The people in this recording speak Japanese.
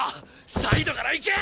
サイドから行け！